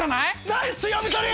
ナイス読み取り！